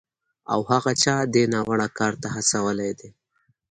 او هغه چا دې ناوړه کار ته هڅولی دی